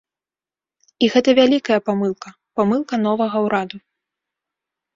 І гэта вялікая памылка, памылка новага ўраду.